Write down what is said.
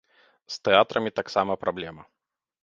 З тэатрамі таксама праблема.